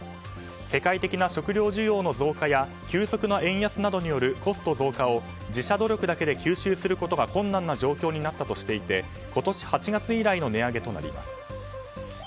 世界的な食糧需要の増加や急速な円安などによるコスト増加を自社努力だけで吸収することが困難な状況になったとしていて今年８月以来の値上げとなります。